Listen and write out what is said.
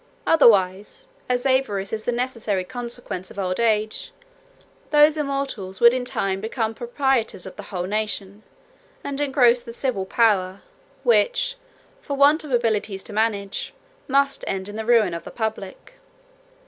Otherwise, as avarice is the necessary consequence of old age, those immortals would in time become proprietors of the whole nation, and engross the civil power, which, for want of abilities to manage, must end in the ruin of the public.